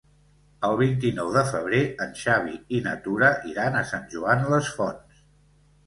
El vint-i-nou de febrer en Xavi i na Tura iran a Sant Joan les Fonts.